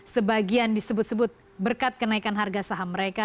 sebagian disebut sebut berkat kenaikan harga saham mereka